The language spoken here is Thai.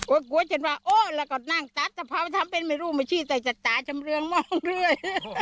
กลัวฉันว่าโอ้แล้วก็นั่งตัดกะเพราทำเป็นไม่รู้ไม่ใช่จัดตาจำเรืองมองเรื่อย